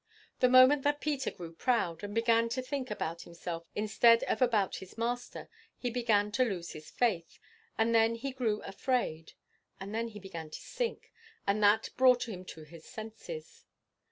The moment that Peter grew proud, and began to think about himself instead of about his Master, he began to lose his faith, and then he grew afraid, and then he began to sink and that brought him to his senses.